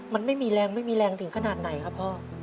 มันไม่มีแรงไม่มีแรงถึงขนาดไหนครับพ่อ